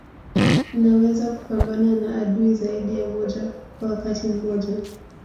Unaweza kupambana na adui zaidi ya mmoja kwa wakati mmoja